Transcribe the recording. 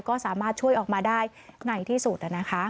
ก็สามารถช่วยออกมาได้ในที่สุด